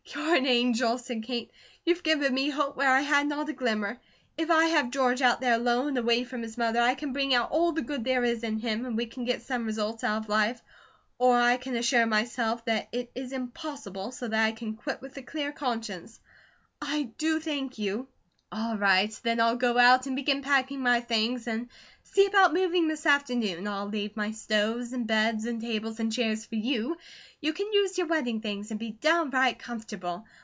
"You're an angel," said Kate. "You've given me hope where I had not a glimmer. If I have George out there alone, away from his mother, I can bring out all the good there is in him, and we can get some results out of life, or I can assure myself that it is impossible, so that I can quit with a clear conscience. I do thank you." "All right, then, I'll go out and begin packing my things, and see about moving this afternoon. I'll leave my stoves, and beds, and tables, and chairs for you; you can use your wedding things, and be downright comfortable.